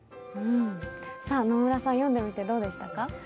野村さん、読んでみてどうでしたか？